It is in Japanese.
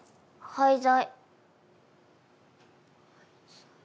廃材。